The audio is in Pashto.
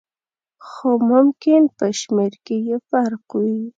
خو ممکن په شمېر کې یې فرق وي.